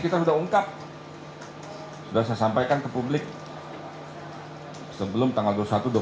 kita sudah ungkap sudah saya sampaikan ke publik sebelum tanggal dua puluh satu dua puluh